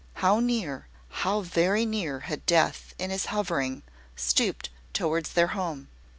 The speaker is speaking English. How near how very near, had Death, in his hovering, stooped towards their home!